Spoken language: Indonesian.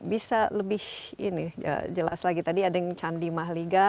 bisa lebih jelas lagi tadi ada yang candi mahliga